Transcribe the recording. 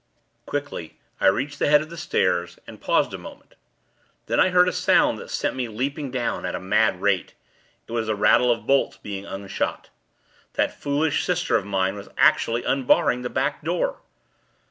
Quickly, I reached the head of the stairs, and paused a moment. Then, I heard a sound that sent me leaping down, at a mad rate it was the rattle of bolts being unshot. That foolish sister of mine was actually unbarring the back door.